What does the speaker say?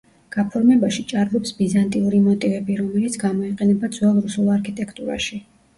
გაფორმებაში ჭარბობს ბიზანტიური მოტივები, რომელიც გამოიყენება ძველ რუსულ არქიტექტურაში.